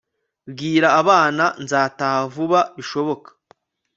bwira abana nzataha vuba bishoboka